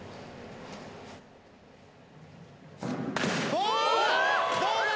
おおどうだ